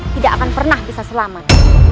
tidak akan pernah bisa selamat